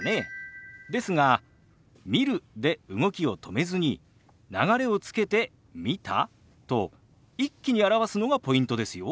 ですが「見る」で動きを止めずに流れをつけて「見た？」と一気に表すのがポイントですよ。